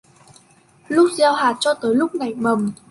Lúc gieo hạt cho tới lúc khi nảy mầm